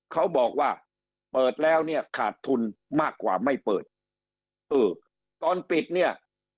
เขาบอกว่าเปิดแล้วเนี่ยขาดทุนมากกว่าไม่เปิดเออตอนปิดเนี่ย